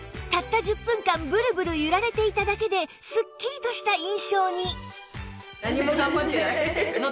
たった１０分間ブルブル揺られていただけですっきりとした印象に